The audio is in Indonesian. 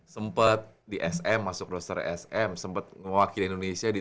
sempet di sm masuk roster sm sempet ngewakili indonesia di tiga ratus tiga